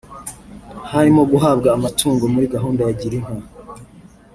harimo guhabwa amatungo muri gahunda ya Girinka